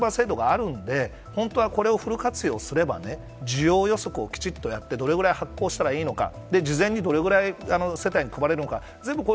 今、マイナンバー制度があるんで本当は、これをフル活用すれば需要予測をきちんとやってどれぐらい用意すればいいのか事前にどれくらい世帯に配れるのか。